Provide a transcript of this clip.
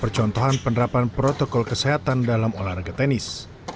percontohan penerapan protokol kesehatan dalam olahraga tenis